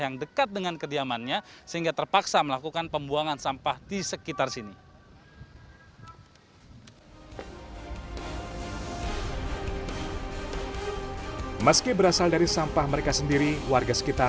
yang terletak hanya beberapa meter dari kediamannya